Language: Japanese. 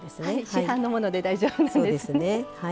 市販のもので大丈夫です。